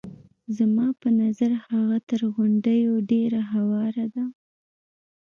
زما په نظر هغه تر غونډیو ډېره هواره ده.